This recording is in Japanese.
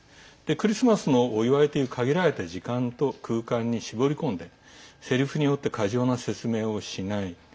クリスマスのお祝いという限られた時間と空間に絞り込んでせりふによって過剰な説明をしない。